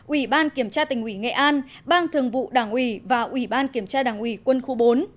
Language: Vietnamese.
ủy ban kiểm tra tỉnh ủy nghệ an ban thường vụ đảng ủy và ủy ban kiểm tra đảng ủy quân khu bốn